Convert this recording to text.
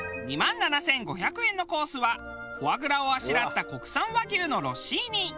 ２万７５００円のコースはフォアグラをあしらった国産和牛のロッシーニ。